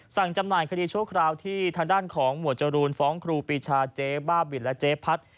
จำหน่ายคดีชั่วคราวที่ทางด้านของหมวดจรูนฟ้องครูปีชาเจ๊บ้าบินและเจ๊พัด